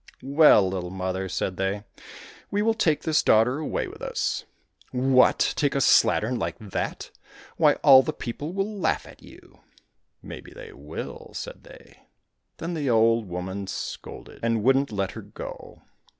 " Well, little mother," said they, *' we will take this daughter away with us." —" What ! take a slattern like that ? Why, all the people will laugh at you !"—" Maybe they will," said they. — Then the old woman scolded, and wouldn't let her go.